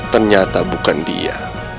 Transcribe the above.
ternyata bukan dia